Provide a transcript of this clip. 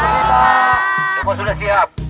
semua sudah siap